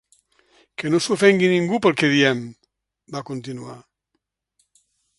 Que no s’ofengui ningú pel que diem, va continuar.